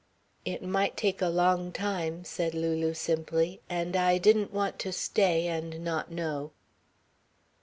"It might take a long time," said Lulu simply, "and I didn't want to stay and not know."